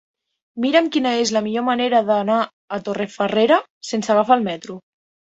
Mira'm quina és la millor manera d'anar a Torrefarrera sense agafar el metro.